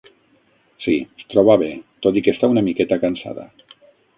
Sí, es troba bé tot i que està una miqueta cansada.